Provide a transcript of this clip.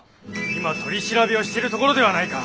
今取り調べをしているところではないか！